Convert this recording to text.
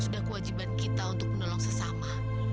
sudah kewajiban kita untuk bermanfaat bersama